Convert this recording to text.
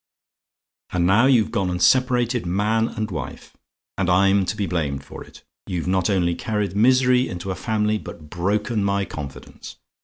"And now you've gone and separated man and wife, and I'm to be blamed for it. You've not only carried misery into a family, but broken my confidence.